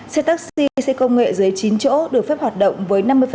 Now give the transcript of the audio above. xe taxi xe công nghệ dưới chín chỗ được phép hoạt động với năm mươi